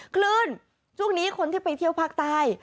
คลื่นช่วงนี้คนที่ไปเที่ยวภาคใต้